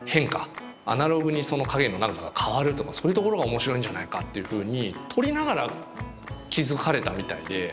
アナログにその影の長さが変わるとかそういうところが面白いんじゃないかっていうふうに撮りながら気付かれたみたいで。